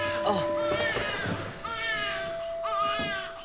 あっ。